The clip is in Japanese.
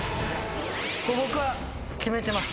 僕は決めてます。